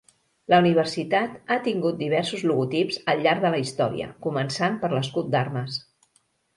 La universitat ha tingut diversos logotips al llarg de la història, començant per l'escut d'armes.